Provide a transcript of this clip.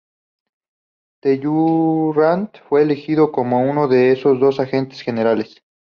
Talleyrand, fue elegido como uno de esos dos Agentes Generales.